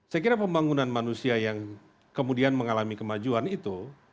saya kira pembangunan manusia yang kemudian mengalami kemajuan itu